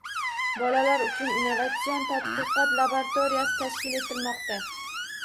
Bolalar uchun innovatsion tadqiqot laboratoriyasi tashkil etilmoqda